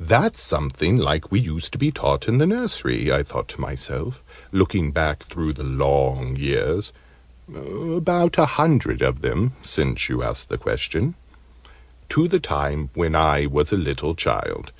"That's something like what we used to be taught in the nursery," I thought to myself, looking back through the long years (about a hundred of them, since you ask the question), to the time when I was a little child.